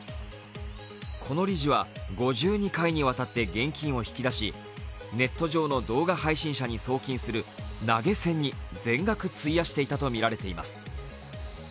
この理事は５２回にわたって現金を引き出しネット上の動画配信者に送金する投げ銭に全額費やしていたとみられています。